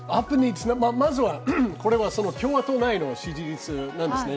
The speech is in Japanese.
まずはこれは共和党内の支持率なんですね。